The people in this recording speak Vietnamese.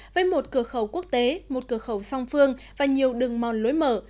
với một cửa khẩu quốc tế một cửa khẩu song phương và nhiều đường mòn lối mở